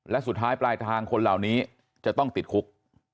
และสุดท้ายปลายทางคนเหล่านี้จะต้องติดคุก